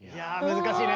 難しいね！